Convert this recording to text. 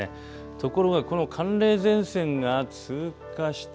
ところがこの寒冷前線が通過した